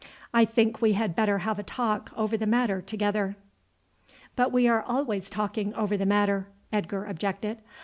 I think we had better have a talk over the matter together." "But we are always talking over the matter," Edgar objected.